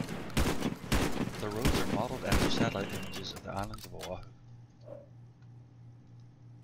The roads are modeled after satellite images of the island of Oahu.